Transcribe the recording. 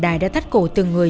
đài đã thắt cổ từng người